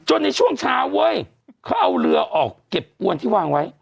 ในช่วงเช้าเว้ยเขาเอาเรือออกเก็บอวนที่วางไว้